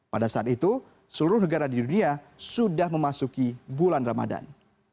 pada saat itu seluruh negara di dunia sudah memasuki bulan ramadan